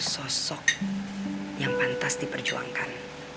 kosok yang pantas diperjuangkan